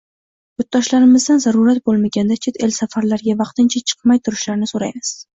Yurtdoshlarimizdan zarurat boʻlmaganda chet el safarlariga vaqtincha chiqmay turishlarini soʻraymiz.